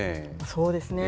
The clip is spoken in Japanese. そうですね。